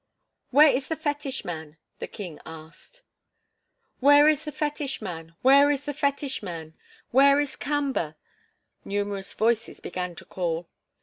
"Where is the fetish man?" the king asked. "Where is the fetish man? Where is the fetish man? Where is Kamba?" numerous voices began to call.